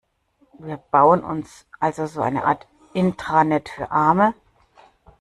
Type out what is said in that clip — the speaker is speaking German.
Wir bauen uns also so eine Art Intranet für Arme.